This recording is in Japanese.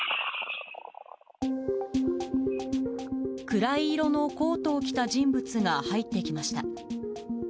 暗い色のコートを着た人物が入ってきました。